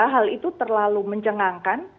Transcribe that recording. hal itu terlalu mencengangkan